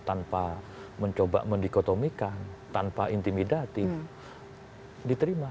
tanpa mencoba mendikotomikan tanpa intimidatif diterima